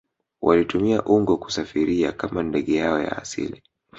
Walitumia ungo kusafiria kama ndege yao ya asili